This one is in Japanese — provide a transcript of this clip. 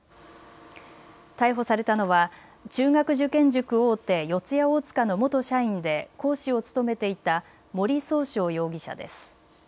逮捕されたのは中学受験塾大手、四谷大塚の元社員で講師を務めていた森崇翔容疑者です。